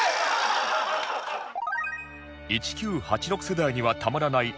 １９８６世代にはたまらない